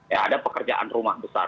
ya ada pekerjaan rumah besar